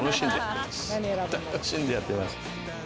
楽しんでやってます。